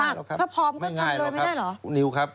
ถ้าพร้อมก็ทำเร็วไม่ได้หรอกครับไม่ง่ายหรอกครับคุณนิวครับ